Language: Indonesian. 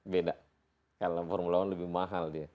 beda karena formula one lebih mahal